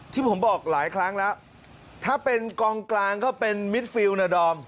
ที่ผมบอกหลายครั้งแล้วถ้าเป็นกองกลางก็เป็นมิดฟิลนะดอม